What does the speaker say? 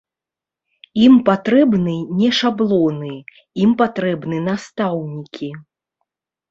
Ім патрэбны не шаблоны, ім патрэбны настаўнікі.